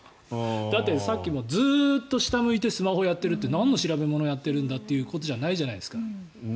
だって、さっきもずっと下を向いてスマホやってるってなんの調べものやってるんだ？ということじゃないじゃないですか。